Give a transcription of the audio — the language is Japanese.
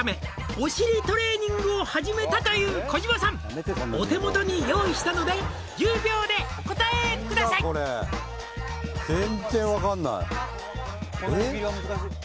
「お尻トレーニングを始めたという児嶋さん」「お手元に用意したので１０秒でお答えください」全然わかんないえっ？